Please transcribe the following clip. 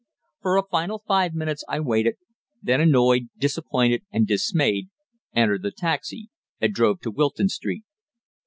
For a final five minutes I waited; then annoyed, disappointed and dismayed, entered the taxi, and drove to Wilton Street.